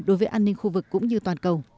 đối với an ninh khu vực cũng như toàn cầu